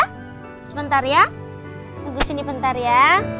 hai sebentar ya tunggu sini bentar ya